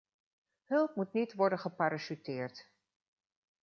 Hulp moet niet worden geparachuteerd.